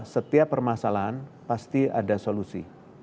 setiap permasalahan pasti ada solusi